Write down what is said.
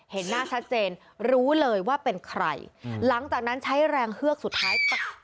เห็นหน้าชัดเจนรู้เลยว่าเป็นใครหลังจากนั้นใช้แรงเฮือกสุดท้าย